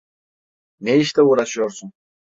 Ne işle uğraşıyorsun?